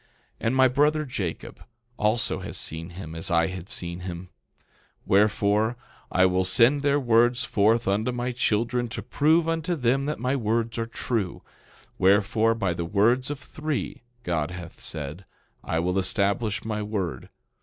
11:3 And my brother, Jacob, also has seen him as I have seen him; wherefore, I will send their words forth unto my children to prove unto them that my words are true. Wherefore, by the words of three, God hath said, I will establish my word.